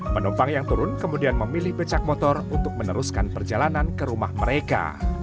penumpang yang turun kemudian memilih becak motor untuk meneruskan perjalanan ke rumah mereka